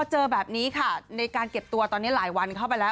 เจอแบบนี้ค่ะในการเก็บตัวตอนนี้หลายวันเข้าไปแล้ว